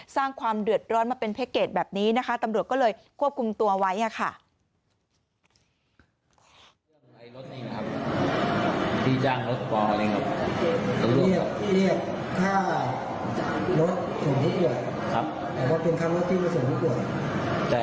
สร้างความเดือดร้อนมาเป็นแพ็คเกจแบบนี้นะคะตำรวจก็เลยควบคุมตัวไว้ค่ะ